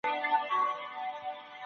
تاسو به په خپلو بریاوو باندي ویاړ کوئ.